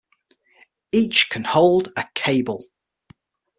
Each can hold a cable.